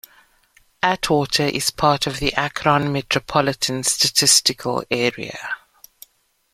Atwater is part of the Akron Metropolitan Statistical Area.